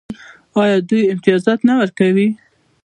آیا دوی امتیازات نه ورکوي؟